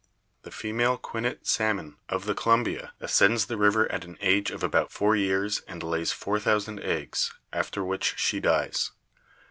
The female quinnat salmon of the Columbia ascends the river at the age of about four years and lays 4,000 eggs, after which she dies.